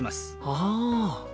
ああ。